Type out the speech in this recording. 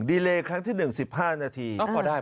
ดีเรย์ครั้งที่หนึ่ง๑๕นาที